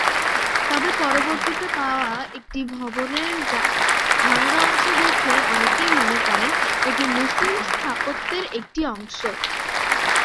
তবে পরবর্তিতে পাওয়া একটি ভবনের ভাঙ্গা অংশ দেখে অনেকেই মনে করেন এটি মুসলিম স্থাপত্যের অংশ।